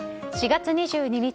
４月２２日